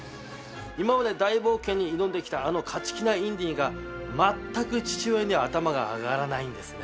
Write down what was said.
今まで大冒険に挑んできたあの勝ち気なインディが全く父親には頭が上がらないんですね。